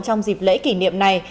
trong dịp lễ kỷ niệm này